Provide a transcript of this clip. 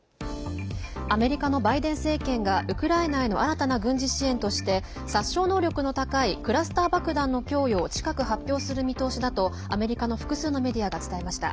アメリカのバイデン政権がウクライナへの新たな軍事支援として殺傷能力の高いクラスター爆弾の供与を近く発表する見通しだとアメリカの複数のメディアが伝えました。